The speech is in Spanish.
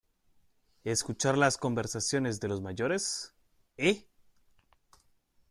escuchar las conversaciones de los mayores? ¿ eh ?